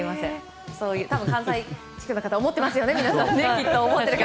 多分、関西地区の方は思ってますよね、皆さん。